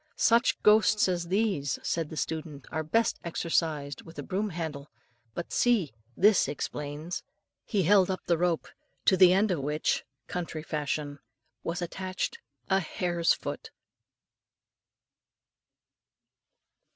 "Such ghosts as these," said the student, "are best exorcised with a broom handle; but, see! this explains." He held up the rope, to the end of which country fashion was attached a hare's foot!